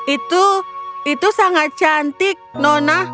itu itu sangat cantik nona